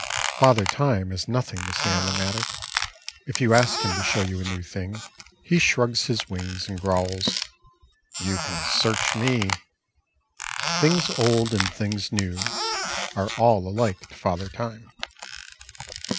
Father Time has nothing to say on the matter. If you ask him to show you a new thing, he shrugs his wings and growls, "You can search me." Things old and things new are all alike to Father Time.